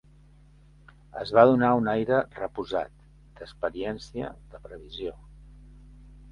Es va donar un aire reposat, de experiència, de previsió